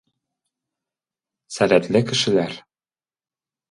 Сәләтле кешеләр